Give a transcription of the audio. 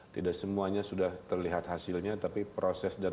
tidak semuanya sudah terlihat hasilnya tapi perhatikan